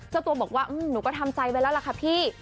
เจ้าตัวบอกว่าหนูก็ทำใจไว้แล้วล่ะค่ะพี่